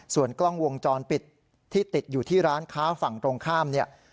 ส่วนกล้องวงจรปิดที่ติดอยู่ที่ร้านค้าฝั่งตรงข้ามเนี่ย